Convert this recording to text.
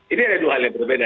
ini ada dua hal yang berbeda